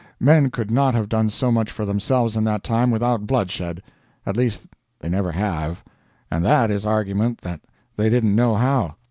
Men could not have done so much for themselves in that time without bloodshed at least they never have; and that is argument that they didn't know how.